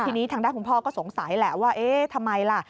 ทีนี้ทางด้านคุณพ่อก็สงสัยแหละว่าเอ๊ะทำไมล่ะ